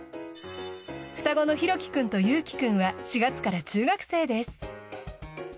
双子の弘樹くんと由樹くんは４月から中学生です。